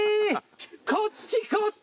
こっちこっち！